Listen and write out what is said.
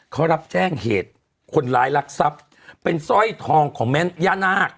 เขารับแจ้งเหตุคนร้ายรักทรัพย์เป็นสร้อยทองของแม่นย่านาค